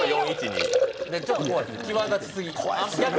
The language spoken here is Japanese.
ちょっと怖いですよ、際立ちすぎて。